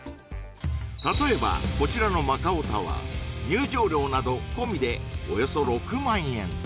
例えばこちらのマカオ・タワー入場料など込みでおよそ６万円